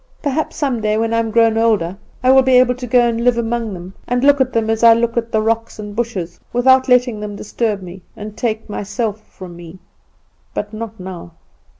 Perhaps some day, when I am grown older, I will be able to go and live among them and look at them as I look at the rocks, and bushes, without letting them disturb me, and take myself from me; but not now.